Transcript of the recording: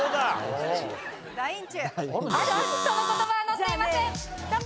その言葉は載っていません。